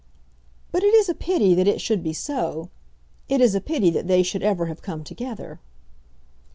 "But it is a pity that it should be so. It is a pity that they should ever have come together."